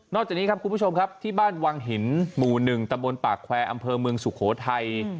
จากนี้ครับคุณผู้ชมครับที่บ้านวังหินหมู่๑ตะบนปากแควร์อำเภอเมืองสุโขทัย